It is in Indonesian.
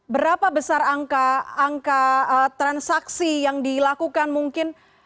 berapa besar angka transaksi yang dilakukan mungkin